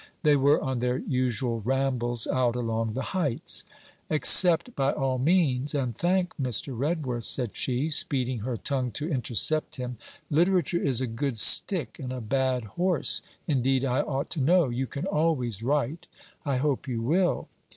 They were on their usual rambles out along the heights. 'Accept, by all means, and thank Mr. Redworth,' said she, speeding her tongue to intercept him. 'Literature is a good stick and a bad horse. Indeed, I ought to know. You can always write; I hope you will.'